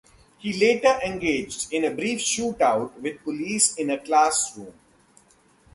He later engaged in a brief shoot-out with police in a classroom.